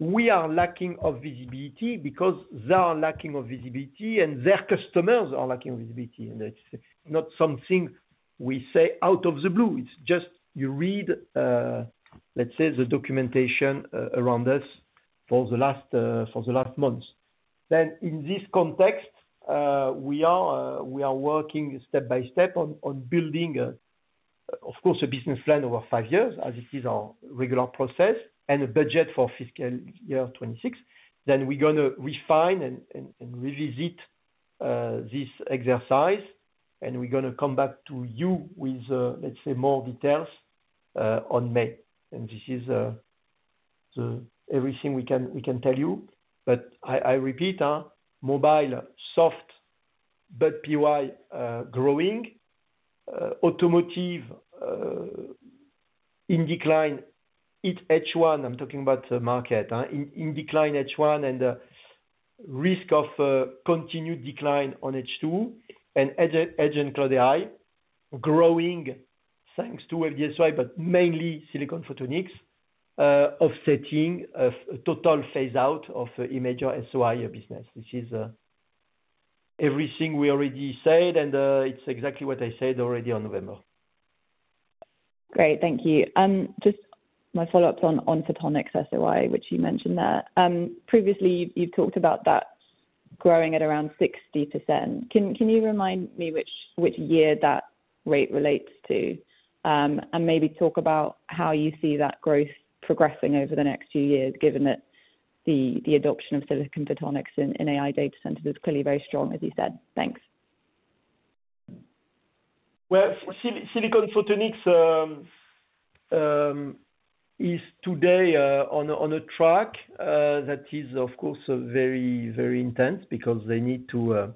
we are lacking of visibility because they are lacking of visibility and their customers are lacking of visibility. And it's not something we say out of the blue. It's just you read, let's say, the documentation around us for the last months. Then in this context, we are working step by step on building, of course, a business plan over five years, as it is our regular process, and a budget for fiscal year 2026. Then we're going to refine and revisit this exercise. And we're going to come back to you with, let's say, more details on May. And this is everything we can tell you. But I repeat, mobile, soft, but POI growing, automotive in decline. It's H1. I'm talking about the market in decline in H1 and risk of continued decline in H2 Edge & Cloud AI growing thanks to FD-SOI, but mainly silicon photonics, offsetting a total phase-out of a Imager-SOI business. This is everything we already said, and it's exactly what I said already on November. Great. Thank you. Just my follow-up on Photonics-SOI, which you mentioned there. Previously, you've talked about that growing at around 60%. Can you remind me which year that rate relates to? And maybe talk about how you see that growth progressing over the next few years, given that the adoption of silicon photonics in AI data centers is clearly very strong, as you said. Thanks. Well, silicon photonics is today on a track that is, of course, very, very intense because we need to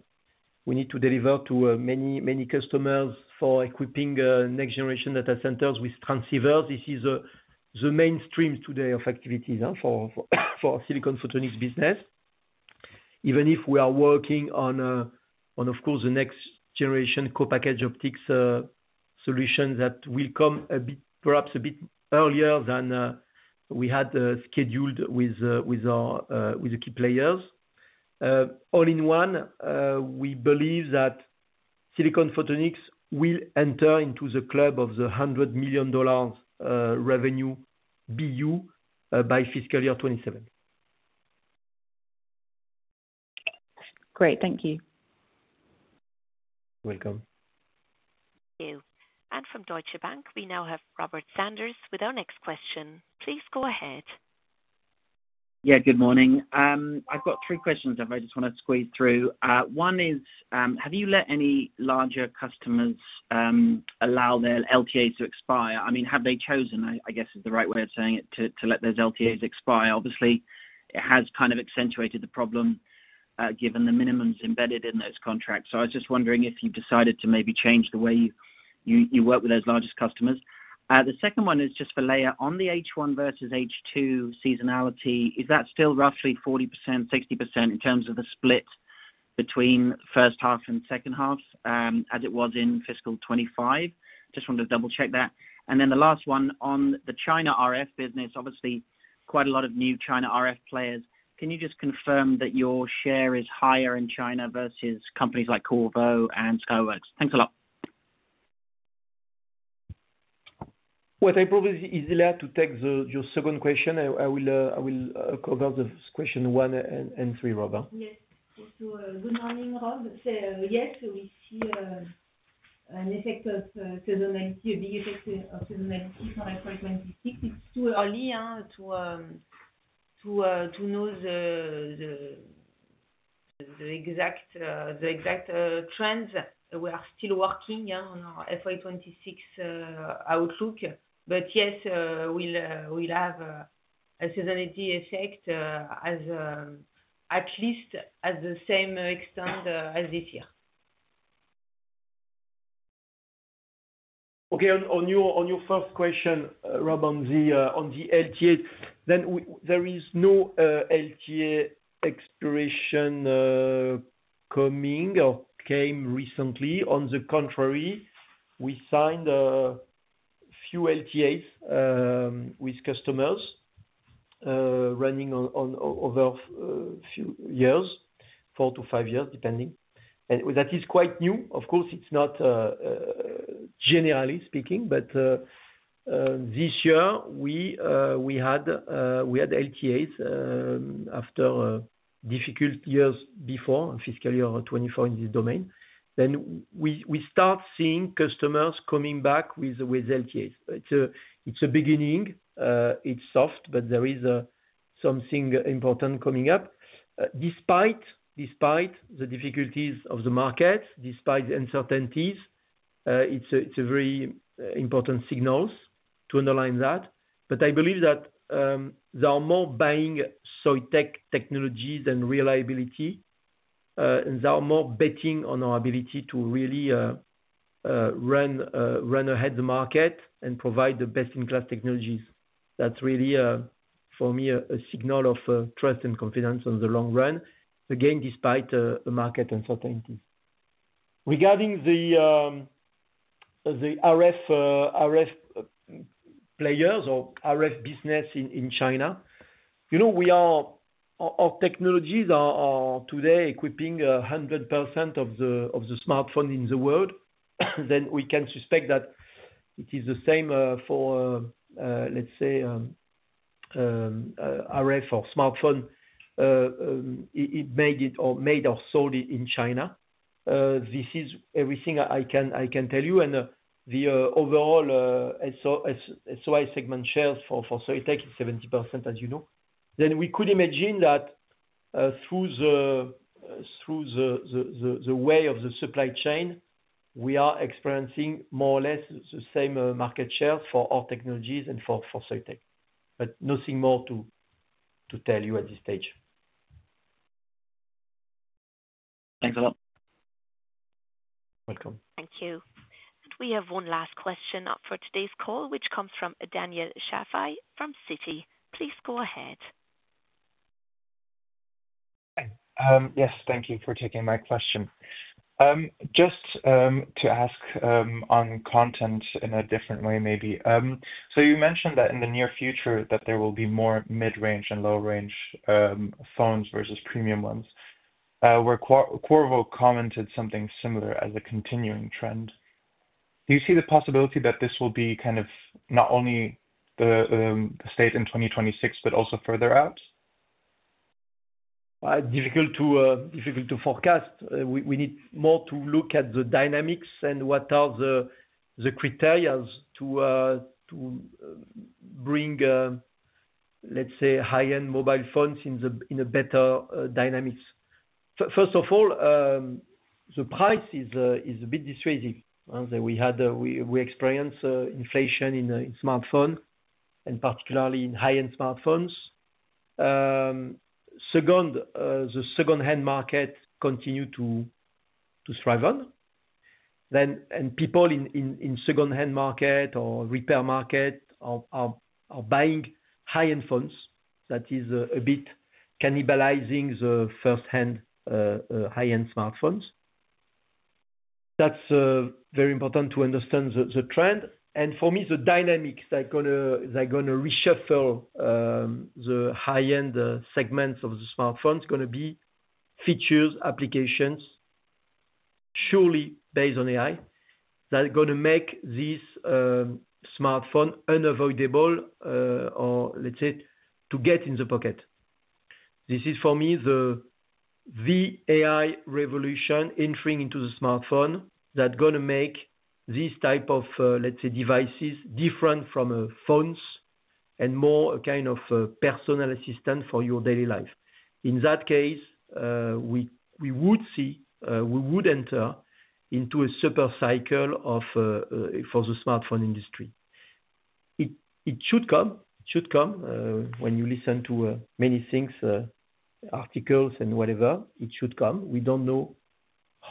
deliver to many customers for equipping next-generation data centers with transceivers. This is the mainstream today of activities for silicon photonics business, even if we are working on, of course, the next-generation co-packaged optics solutions that will come perhaps a bit earlier than we had scheduled with the key players. All in all, we believe that silicon photonics will enter into the club of the $100 million revenue BU by fiscal year 2027. Great. Thank you. You're welcome. Thank you. And from Deutsche Bank, we now have Robert Sanders with our next question. Please go ahead. Yeah, good morning. I've got three questions I just want to squeeze through. One is, have you let any larger customers allow their LTAs to expire? I mean, have they chosen, I guess is the right way of saying it, to let those LTAs expire? Obviously, it has kind of accentuated the problem given the minimums embedded in those contracts. So I was just wondering if you've decided to maybe change the way you work with those largest customers. The second one is just a layer on the H1 versus H2 seasonality. Is that still roughly 40%, 60% in terms of the split between first half and second half as it was in fiscal 2025? Just wanted to double-check that. And then the last one on the China RF business, obviously, quite a lot of new China RF players. Can you just confirm that your share is higher in China versus companies like Qorvo and Skyworks? Thanks a lot. Well, it's probably easier to take your second question. I will cover the questions one and three, Robert. Yes. Good morning, Rob. Yes, we see an effect of seasonality, a big effect of seasonality for FY 2026. It's too early to know the exact trends. We are still working on our FY26 outlook, but yes, we'll have a seasonality effect at least at the same extent as this year. Okay. On your first question, Rob, on the LTA, then there is no LTA expiration coming or came recently. On the contrary, we signed a few LTAs with customers running over a few years, four to five years, depending, and that is quite new. Of course, it's not generally speaking, but this year, we had LTAs after difficult years before fiscal year 2024 in this domain, then we start seeing customers coming back with LTAs. It's a beginning. It's soft, but there is something important coming up. Despite the difficulties of the market, despite the uncertainties, it's a very important signal to underline that. But I believe that there are more buying Soitec technologies and reliability, and there are more betting on our ability to really run ahead of the market and provide the best-in-class technologies. That's really, for me, a signal of trust and confidence in the long run, again, despite the market uncertainties. Regarding the RF players or RF business in China, our technologies are today equipping 100% of the smartphones in the world. Then we can suspect that it is the same for, let's say, RF or smartphone made or sold in China. This is everything I can tell you. And the overall SOI segment shares for Soitec is 70%, as you know. Then we could imagine that through the way of the supply chain, we are experiencing more or less the same market shares for our technologies and for Soitec. But nothing more to tell you at this stage. Thanks a lot. Welcome. Thank you. And we have one last question for today's call, which comes from Sufian Shafi from Citi. Please go ahead. edge and cloud AI Difficult to forecast. We need more to look at the dynamics and what are the criteria to bring, let's say, high-end mobile phones in a better dynamics. First of all, the price is a bit dissuasive. We experience inflation in smartphones, and particularly in high-end smartphones. The second-hand market continues to thrive. And people in the second-hand market or repair market are buying high-end phones. That is a bit cannibalizing the first-hand, high-end smartphones. That's very important to understand the trend. And for me, the dynamics that are going to reshuffle the high-end segments of the smartphones are going to be features, applications, surely based on AI, that are going to make this smartphone unavoidable, or let's say, to get in the pocket. This is, for me, the AI revolution entering into the smartphone that's going to make these types of, let's say, devices different from phones and more a kind of personal assistant for your daily life. In that case, we would enter into a supercycle for the smartphone industry. It should come. It should come. When you listen to many things, articles and whatever, it should come. We don't know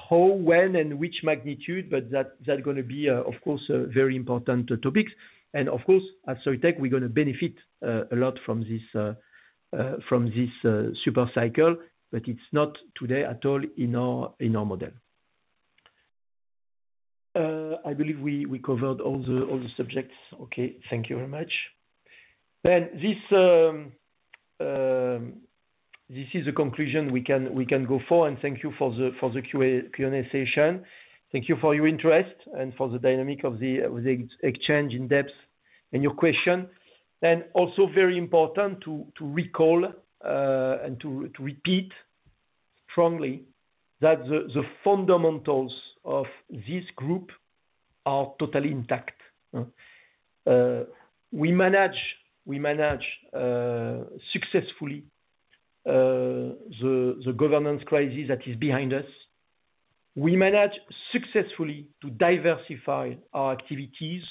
how, when, and which magnitude, but that's going to be, of course, very important topics. And of course, as Soitec, we're going to benefit a lot from this supercycle, but it's not today at all in our model. I believe we covered all the subjects. Okay. Thank you very much. Then this is the conclusion we can go for. And thank you for the Q&A session. Thank you for your interest and for the dynamic of the exchange in depth and your question. And also, very important to recall and to repeat strongly that the fundamentals of this group are totally intact. We manage successfully the governance crisis that is behind us. We manage successfully to diversify our activities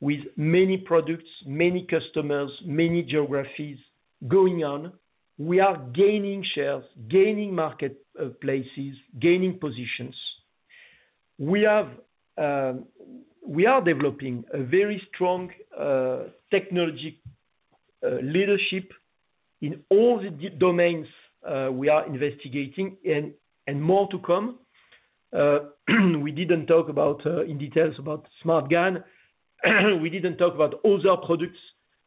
with many products, many customers, many geographies going on. We are gaining shares, gaining marketplaces, gaining positions. We are developing a very strong technology leadership in all the domains we are investigating and more to come. We didn't talk in detail about Smart Cut. We didn't talk about other products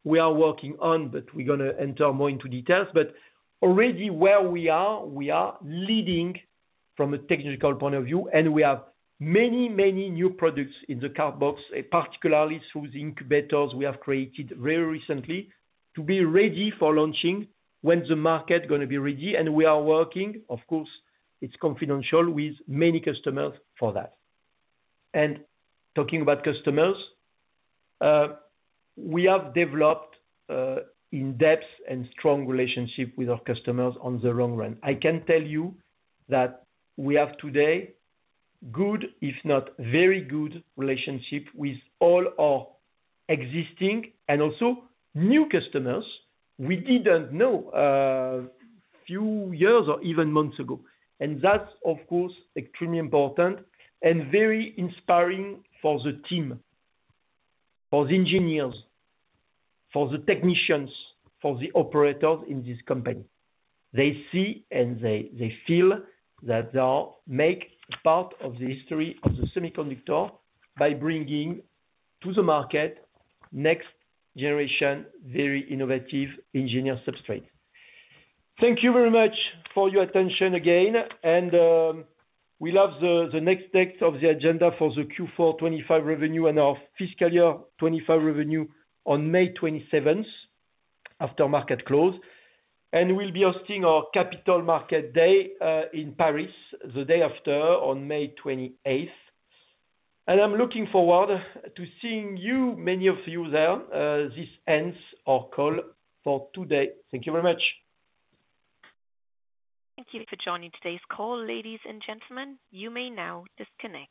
we are working on, but we're going to enter more into details, but already where we are, we are leading from a technical point of view, and we have many, many new products in the car box, particularly through the incubators we have created very recently to be ready for launching when the market is going to be ready. We are working, of course; it's confidential with many customers for that. Talking about customers, we have developed in-depth and strong relationships with our customers on the long run. I can tell you that we have today good, if not very good, relationships with all our existing and also new customers we didn't know a few years or even months ago. And that's, of course, extremely important and very inspiring for the team, for the engineers, for the technicians, for the operators in this company. They see and they feel that they make part of the history of the semiconductor by bringing to the market next-generation, very innovative engineered substrates. Thank you very much for your attention again. And we love the next steps of the agenda for the Q4 2025 revenue and our fiscal year 2025 revenue on May 27th after market close. And we'll be hosting our Capital Markets Day in Paris the day after on May 28th. And I'm looking forward to seeing you, many of you there. This ends our call for today. Thank you very much. Thank you for joining today's call, ladies and gentlemen. You may now disconnect.